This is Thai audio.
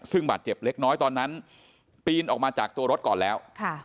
ซึ่งบาดเจ็บเล็กน้อยตอนนั้นปีนออกมาจากตัวรถก่อนแล้ว